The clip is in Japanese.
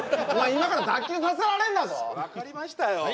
今から脱臼させられんだぞ分かりましたよ